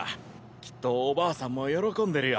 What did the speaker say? きっとおばあさんも喜んでるよ。